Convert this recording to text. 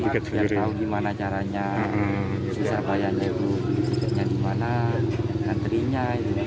kita tahu gimana caranya bisa bayarnya itu tiketnya gimana antrenya